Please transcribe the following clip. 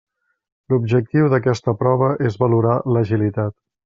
L'objectiu d'aquesta prova és valorar l'agilitat.